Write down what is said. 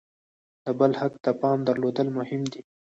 د بل حق ته پام درلودل مهم دي.